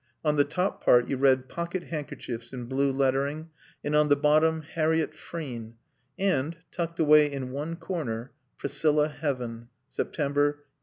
On the top part you read "Pocket handkerchiefs" in blue lettering, and on the bottom "Harriett Frean," and, tucked away in one corner, "Priscilla Heaven: September, 1861."